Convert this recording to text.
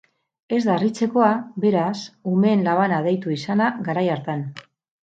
Ez da harritzekoa beraz umeen labana deitu izana garai hartan.